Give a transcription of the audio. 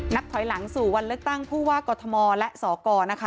นักถอยหลังสู่วันเลือกตั้งผู้ว่ากฏมกและสก